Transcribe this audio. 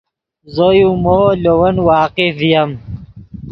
زو یو مو لے ون واقف ڤییم